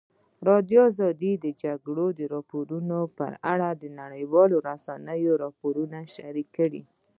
ازادي راډیو د د جګړې راپورونه په اړه د نړیوالو رسنیو راپورونه شریک کړي.